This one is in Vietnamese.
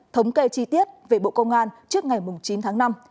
thống kê chi tiết về bộ công an trước ngày chín tháng năm